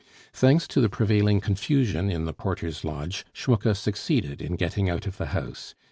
Thanks to the prevailing confusion in the porter's lodge, Schmucke succeeded in getting out of the house.